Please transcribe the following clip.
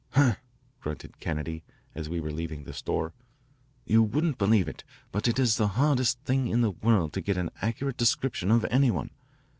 "Humph," grunted Kennedy, as we were leaving the store. "You wouldn't believe it, but it is the hardest thing in the world to get an accurate description of any one.